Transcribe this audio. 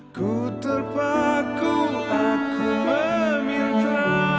aku terpaku aku meminta